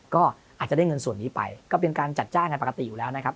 ก็อาจจะได้เงินส่วนนี้ไปก็เป็นการจัดจ้างกันปกติอยู่แล้วนะครับ